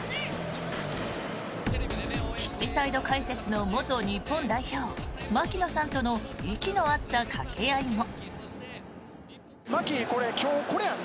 ピッチサイド解説の元日本代表槙野さんとの息の合ったかけ合いも。